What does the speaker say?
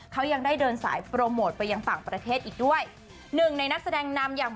เขายังได้เดินสายโปรโมทไปยังต่างประเทศอีกด้วยหนึ่งในนักแสดงนำอย่าง